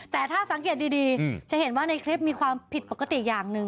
แต่ถ้าสังเกตดีจะเห็นว่าในคลิปมีความผิดปกติอย่างหนึ่ง